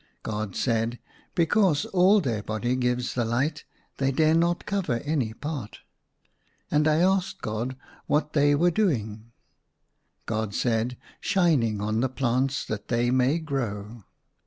God said, '* Because all their body gives the light ; they dare not cover any part. And I asked God what they were doinor. > ACROSS MY BED. 163 God said, " Shining on the plants that they may grow."